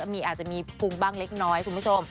อาจจะมีพุงบ้างเล็กน้อยคุณผู้ชม